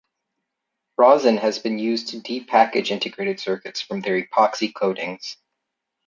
Rosin has been used to depackage integrated circuits from their epoxy coatings.